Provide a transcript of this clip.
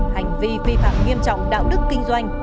hành vi vi phạm nghiêm trọng đạo đức kinh doanh